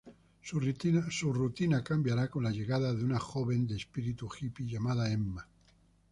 Su rutina cambiará con la llegada de una joven de espíritu hippie llamada Emma.